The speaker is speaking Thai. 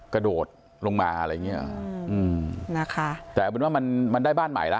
กระโดดลงมาอะไรอย่างเงี้ยอืมนะคะแต่เอาเป็นว่ามันมันได้บ้านใหม่แล้ว